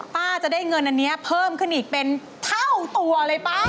ป้าจะได้เงินอันนี้เพิ่มขึ้นอีกเป็นเท่าตัวเลยป้า